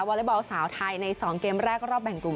อเล็กบอลสาวไทยใน๒เกมแรกรอบแบ่งกลุ่ม